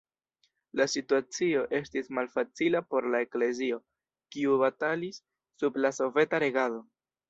La situacio estis malfacila por la eklezio, kiu batalis sub la soveta regado.